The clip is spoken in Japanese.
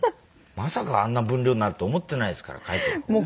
まさかあんな文量になると思ってないですから書いてても。